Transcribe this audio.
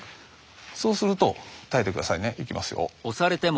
そうすると耐えて下さいねいきますよ。